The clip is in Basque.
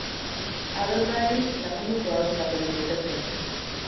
Ados bahintz, lagunduko haut paperen betetzen.